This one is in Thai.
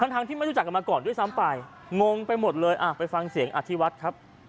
ทั้งที่ไม่รู้จักกันมาก่อนด้วยซ้ำไปงงไปหมดเลยไปฟังเสียงอธิวัฒน์ครับ